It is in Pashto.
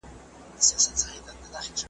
فیصلې به تل په حکم د ظالم وي ,